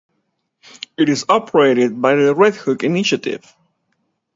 It is operated by the Red Hook Initiative.